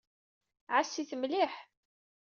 Ɛass-it mliḥ.